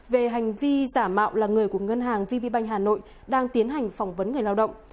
về hành vi giả mạo là người của ngân hàng vb bank hà nội đang tiến hành phỏng vấn người lao động